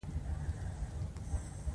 زه د فقر څخه بېرېږم، له بېغورۍ بېرېږم.